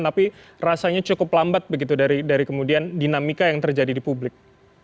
tapi rasanya cukup lambat begitu dari kemudian dinamika yang terjadi di publik